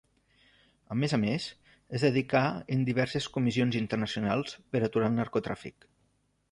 A més a més, es dedicà en diverses comissions internacionals per aturar el narcotràfic.